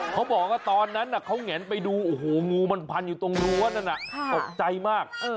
เขาบอกว่าตอนนั้นเขาแงนไปดูโอ้โหงูมันพันอยู่ตรงรั้วนั่นน่ะตกใจมาก